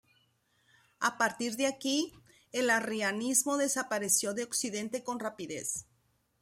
A partir de aquí, el arrianismo desapareció de occidente con rapidez.